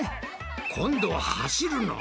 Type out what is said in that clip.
今度は走るの！？